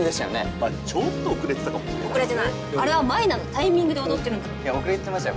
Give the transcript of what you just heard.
まぁちょっと遅れてたかも遅れてないあれは舞菜のタイミングで踊ってるんだいや遅れてましたよ